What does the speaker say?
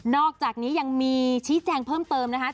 อกจากนี้ยังมีชี้แจงเพิ่มเติมนะคะ